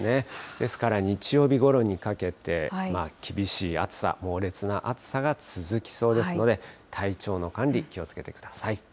ですから日曜日ごろにかけて、厳しい暑さ、猛烈な暑さが続きそうですので、体調の管理、気をつけてください。